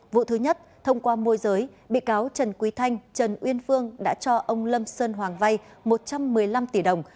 vụ thứ nhất thông qua môi giới bị cáo trần quý thanh trần uyên phương đã cho ông lâm sơn hoàng vay một trăm một mươi năm tỷ đồng